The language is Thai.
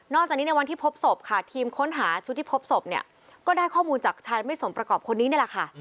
จากนี้ในวันที่พบศพค่ะทีมค้นหาชุดที่พบศพเนี่ยก็ได้ข้อมูลจากชายไม่สมประกอบคนนี้นี่แหละค่ะ